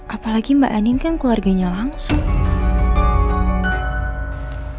apalagi mbak anin kan keluarganya langsung